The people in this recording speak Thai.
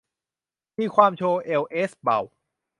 มีความโชว์เอวเอสเบา